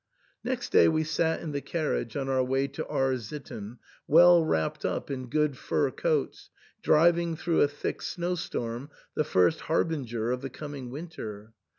Next day we sat in the carriage on our way to R — sitten, well wrapped up in good fur coats, driving through a thick snowstorm, the first harbinger of the coming winter.